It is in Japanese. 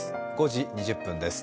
５時２０分です。